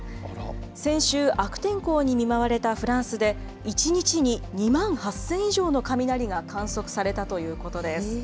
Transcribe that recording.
先週、悪天候に見舞われたフランスで、１日に２万８０００以上の雷が観測されたということです。